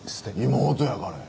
妹やからや。